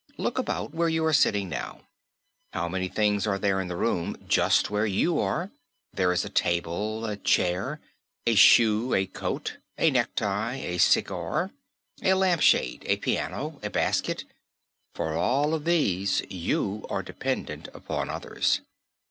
Look about, where you are sitting now. How many things are there in the room just where you are, there is a table, a chair, a shoe, a coat, a necktie, a cigar, a lampshade, a piano, a basket for all of these you are dependent upon others.